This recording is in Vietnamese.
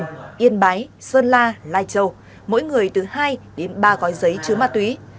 như yên bái sơn la lai châu mỗi người từ hai đến ba coi giấy chứa ma túy